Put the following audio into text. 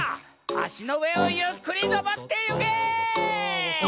あしのうえをゆっくりのぼってゆけ！